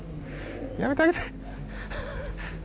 やめてあげて！